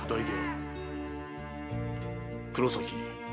黒崎。